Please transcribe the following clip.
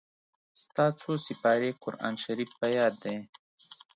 ستا څو سېپارې قرآن شريف په ياد دئ.